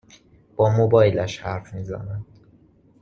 با موبایلش حرف می زند